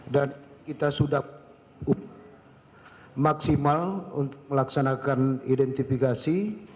dan kita sudah maksimal untuk melaksanakan identifikasi